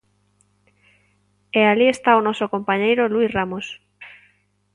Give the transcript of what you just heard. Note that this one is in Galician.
E alí está o noso compañeiro Luís Ramos.